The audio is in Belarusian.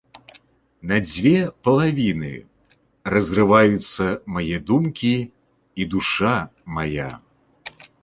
На дзве палавіны разрываюцца мае думкі і душа мая.